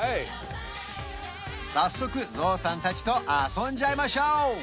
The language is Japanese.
早速ゾウさん達と遊んじゃいましょう